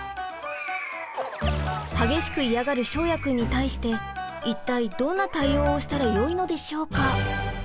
激しく嫌がる翔也くんに対して一体どんな対応をしたらよいのでしょうか？